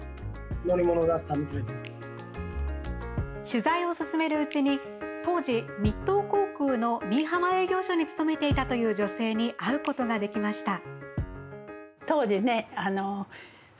取材を進めるうちに当時、日東航空の新居浜営業所に勤めていたという女性に会うことができました。